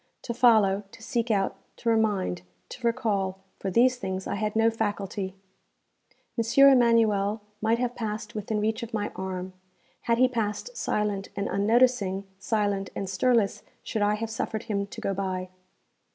To follow, to seek out, to remind, to recall for these things I had no faculty. M. Emanuel might have passed within reach of my arm. Had he passed silent and unnoticing, silent and stirless should I have suffered him to go by.